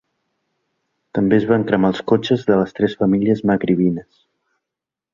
També es van cremar els cotxes de les tres famílies magribines.